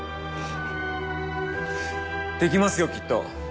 できますよきっと。